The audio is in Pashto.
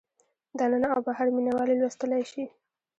دننه او بهر مینه وال یې لوستلی شي.